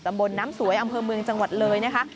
บนน้ำสวยอำเภอเมืองจังหวัดเลยนะคะ